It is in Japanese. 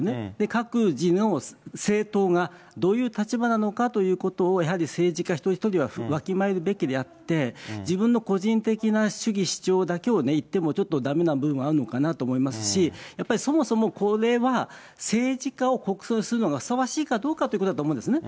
各自の政党がどういう立場なのかということをやはり政治家一人一人がわきまえるべきであって、自分の個人的な主義主張だけを言ってもちょっとだめな部分はあるのかなと思いますし、やっぱりそもそもこれは、政治家を国葬にするのがふさわしいかどうかということだと思うんですね。